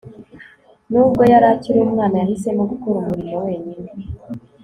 nubwo yari akiri umwana, yahisemo gukora umurimo wenyine